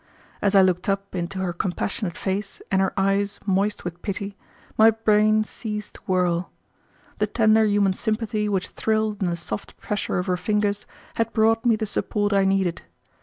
As I looked up into her compassionate face and her eyes moist with pity, my brain ceased to whirl. The tender human sympathy which thrilled in the soft pressure of her fingers had brought me the support I needed.